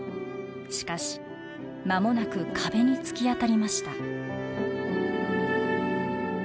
しかし間もなく壁に突き当たりました。